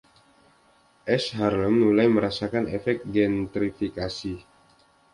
East Harlem mulai merasakan efek gentrifikasi.